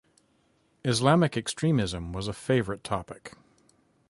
Islamic extremism was a favorite topic.